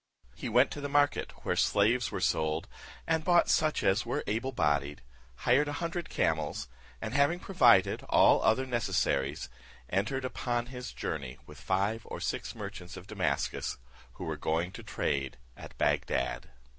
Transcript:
He went to the market where slaves were sold, and bought such as were able bodied, hired a hundred camels, and having provided all other necessaries, entered upon his journey, with five or six merchants of Damascus, who were going to trade at Bagdad.